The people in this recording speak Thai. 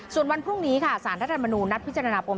ส่วนวันพรุ่งนี้ค่ะสารรัฐธรรมนูลนัดพิจารณาปม